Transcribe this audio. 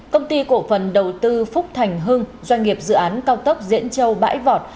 công ty cổ phần đầu tư phúc thành hưng doanh nghiệp dự án cao tốc diễn châu bãi vọt